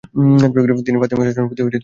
তিনি ফাতেমীয় শাসনের প্রতি বিরূপ ছিলেন।